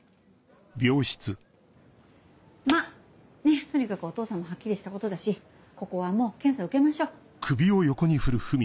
まぁねとにかくお父さんもはっきりしたことだしここはもう検査受けましょう。